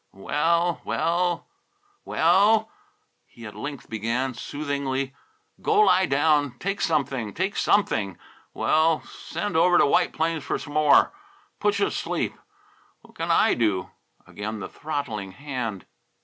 "Well, well, well," he at length began, soothingly, "go lie down; take something; take something; well, send over t' White Plains f'r s'more. Putcha t' sleep. What can I do?" Again the throttling hand.